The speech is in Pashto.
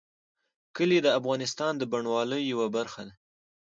کلي د افغانستان د بڼوالۍ یوه برخه ده.